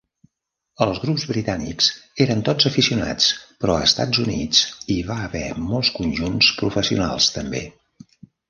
Els grups britànics eren tots aficionats, però a Estats Units hi va haver molts conjunts professionals també.